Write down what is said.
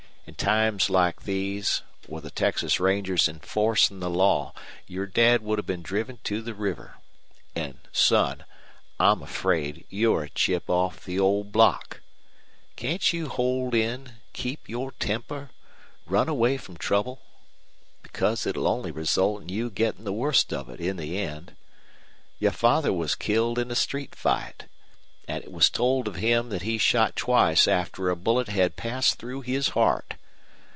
In times like these, with the Texas rangers enforcin' the law, your Dad would have been driven to the river. An', son, I'm afraid you're a chip off the old block. Can't you hold in keep your temper run away from trouble? Because it'll only result in you gettin' the worst of it in the end. Your father was killed in a street fight. An' it was told of him that he shot twice after a bullet had passed through his heart.